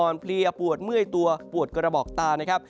อ่อนเพลียปวดเมื่อยตัวปวดกระบอกตา